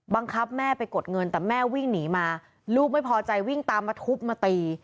แม่ไปกดเงินแต่แม่วิ่งหนีมาลูกไม่พอใจวิ่งตามมาทุบมาตี